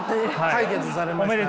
解決されましたので。